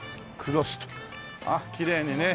あっきれいにね。